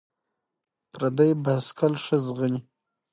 ـ پردى بايسکل ښه ځغلي.